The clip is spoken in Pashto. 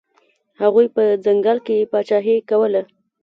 هغوی په ځنګل کې پاچاهي کوله.